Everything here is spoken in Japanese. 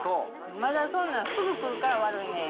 まだそんなん、すぐ来るから悪いねんや。